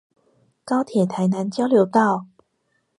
高鐵台南交流道